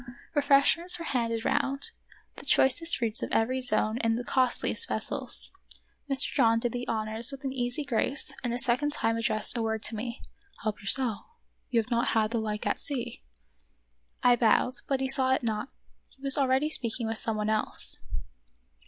Refreshments were handed round ; the choicest fruits of every zone in the costliest vessels. Mr. John did the honors with an easy grace and a second time addressed a word to me. " Help yourself; you have not had the like at sea." I bowed, but he saw it not ; he was already speak ing with some one else.